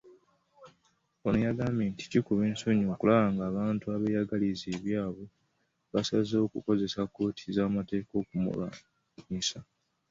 Ono yagambye nti kikuba ensonyi okulaba ng'abantu abeeyagaliza ebyabwe basazeewo okukozesa kkooti z'amateeka okumulwanyisa.